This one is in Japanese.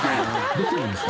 できてるんですか？